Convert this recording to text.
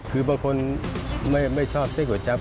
คือบางคนไม่ชอบเส้นก๋วจั๊